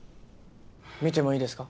見てもいいですか？